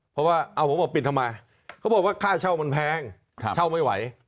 เพราะว่าเอาผมออกปิดทำไมเขาบอกว่าค่าเช่ามันแพงเช่าไม่ไหว